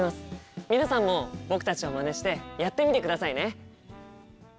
皆さんも僕たちをまねしてやってみてくださいね。